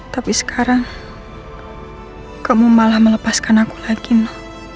tapi sekarang kamu malah melepaskan aku lagi no